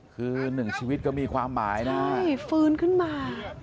คือหนึ่งชีวิตก็มีความหมายนะนี่ฟื้นขึ้นมา